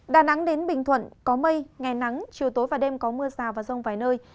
đà nẵng đến bình thuận có mây ngày nắng chiều tối và đêm có mưa rào và rông vài nơi